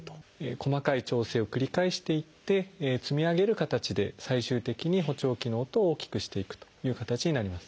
細かい調整を繰り返していって積み上げる形で最終的に補聴器の音を大きくしていくという形になります。